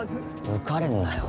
浮かれんなよ